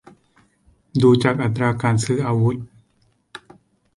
ดูจากอัตราการซื้ออาวุธ